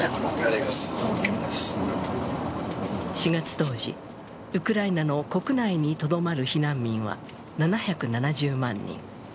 ４月当時、ウクライナの国内にとどまる避難民は７７０万人。